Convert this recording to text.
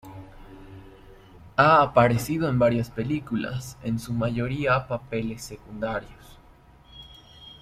Ha aparecido en varias películas, en su mayoría papeles secundarios.